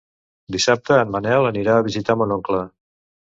Dissabte en Manel anirà a visitar mon oncle.